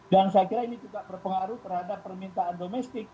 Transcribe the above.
dan saya kira ini juga berpengaruh terhadap permintaan domestik